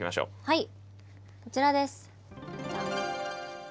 はい。